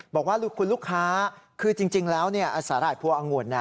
บอกว่าคุณลูกค้าคือจริงแล้วสาหร่ายพัวอังุ่น